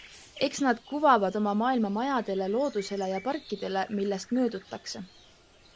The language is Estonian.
Eks nad kuvavad oma maailma majadele, loodusele ja parkidele, millest möödutakse.